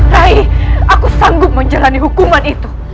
rai aku sanggup menjalani hukuman itu